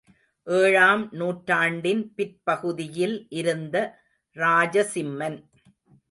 ஏழாம் நூற்றாண்டின் பிற்பகுதியில் இருந்த ராஜசிம்மன்.